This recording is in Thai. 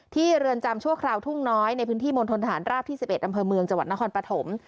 เรือนจำชั่วคราวทุ่งน้อยในพื้นที่มณฑนฐานราบที่๑๑อำเภอเมืองจังหวัดนครปฐม